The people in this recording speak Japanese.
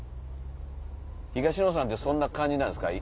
東野さんそんな感じなんですか